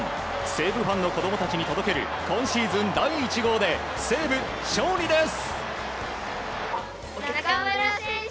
西武ファンの子供たちに届ける今シーズン第１号で西武、勝利です。